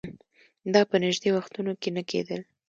دا په نژدې وختونو کې نه کېدل